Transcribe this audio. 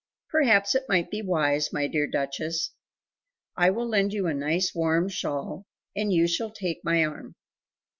"Perhaps it might be wise, my dear Duchess. I will lend you a nice warm shawl, and you shall take my arm."